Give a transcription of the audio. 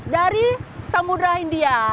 dari samudera india